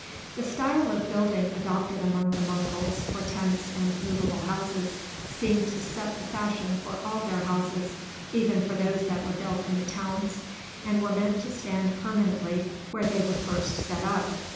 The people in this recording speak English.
The style of building adopted among the Monguls for tents and movable houses seemed to set the fashion for all their houses, even for those that were built in the towns, and were meant to stand permanently where they were first set up.